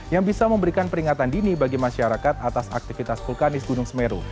yang bisa memberikan peringatan dini bagi masyarakat atas aktivitas vulkanis gunung semeru